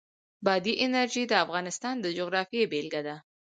بادي انرژي د افغانستان د جغرافیې بېلګه ده.